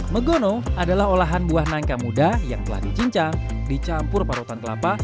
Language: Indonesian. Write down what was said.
megono adalah olahan buah nangka muda yang telah dicincang dicampur parutan kelapa